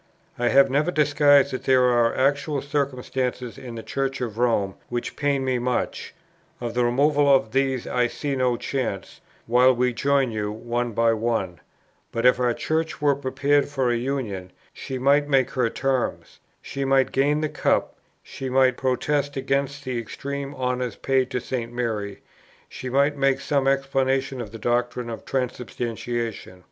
I have never disguised that there are actual circumstances in the Church of Rome, which pain me much; of the removal of these I see no chance, while we join you one by one; but if our Church were prepared for a union, she might make her terms; she might gain the cup; she might protest against the extreme honours paid to St. Mary; she might make some explanation of the doctrine of Transubstantiation.